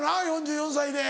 ４４歳で。